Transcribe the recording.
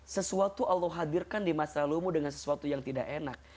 sesuatu allah hadirkan di masa lalumu dengan sesuatu yang tidak enak